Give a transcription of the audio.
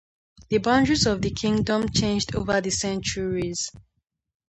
The boundaries of the kingdom changed over the centuries.